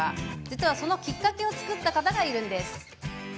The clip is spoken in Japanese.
実は、そのきっかけを作った方がいるんです。